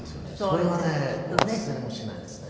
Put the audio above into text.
それはね忘れもしないですね。